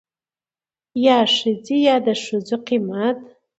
يا ښځې يا دښځو قيمت.